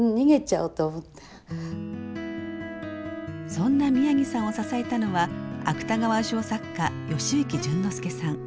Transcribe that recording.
そんな宮城さんを支えたのは芥川賞作家吉行淳之介さん。